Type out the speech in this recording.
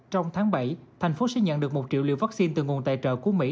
trong tháng bảy thành phố sẽ nhận được một triệu liều vaccine từ nguồn tài trợ của mỹ